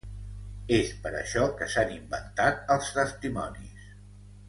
És per això que s'han inventat els testimonis.